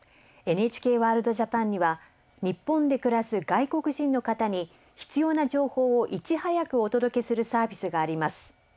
「ＮＨＫワールドＪＡＰＡＮ」には日本で暮らす外国人の方に必要な情報をいち早くお届けするサービスがあります。